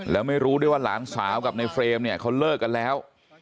แล้วไม่รู้ด้วยว่าหลานสาวกับในเฟรมเนี่ยเขาเลิกกันแล้ว